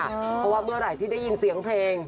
เพราะว่าเมื่อไหร่ที่ได้ยินเสียงเพลง